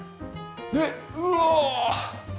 でうわあ！